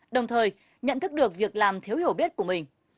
đồng thời nhận thức được việc làm thiếu hiểu biết của mình